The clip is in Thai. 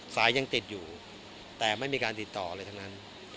สายยังติดอยู่แต่ไม่มีการติดต่ออะไรทั้งนั้น